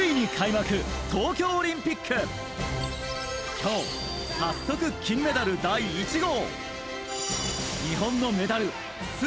今日、早速金メダル第１号。